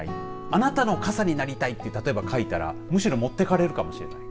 あなたの傘になりたいと書いたらむしろ持って行かれるかもしれない。